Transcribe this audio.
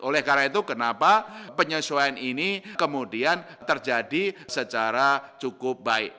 oleh karena itu kenapa penyesuaian ini kemudian terjadi secara cukup baik